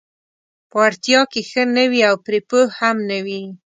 په وړتیا کې ښه نه وي او پرې پوه هم نه وي: